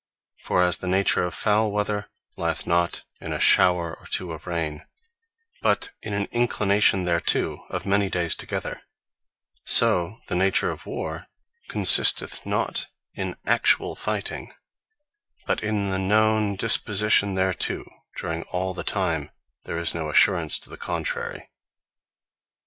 For as the nature of Foule weather, lyeth not in a showre or two of rain; but in an inclination thereto of many dayes together: So the nature of War, consisteth not in actuall fighting; but in the known disposition thereto, during all the time there is no assurance to the contrary.